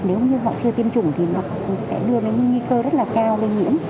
nếu như họ chưa tiêm chủng thì nó cũng sẽ đưa đến những nguy cơ rất là cao về nhiễm